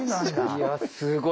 いやすごい。